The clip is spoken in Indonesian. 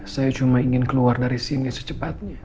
saya cuma ingin keluar dari sini secepatnya